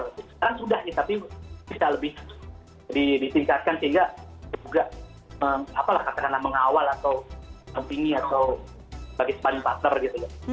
sekarang sudah tapi bisa lebih ditingkatkan sehingga juga mengawal atau mempingi atau sebagai sparring partner gitu ya